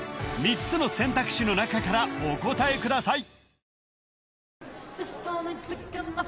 ３つの選択肢の中からお答えください